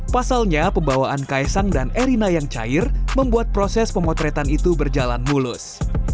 pasalnya pembawaan kaisang dan erina yang cair membuat proses pemotretan itu berjalan mulus